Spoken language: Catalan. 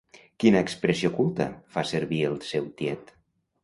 Quina expressió culta fa servir el seu tiet?